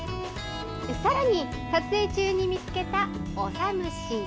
さらに撮影中に見つけたオサムシ。